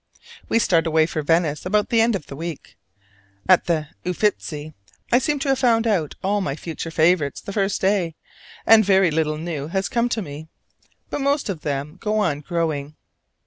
We start away for Venice about the end of the week. At the Uffizi I seem to have found out all my future favorites the first day, and very little new has come to me; but most of them go on growing.